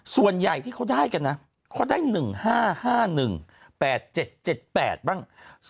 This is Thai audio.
ส่วนใหญ่ที่เขาได้กันนะเขาได้๑๕๕๑๘๗๗๘บ้าง